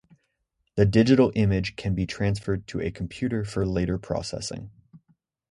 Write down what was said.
The digital image can be transferred to a computer for later processing.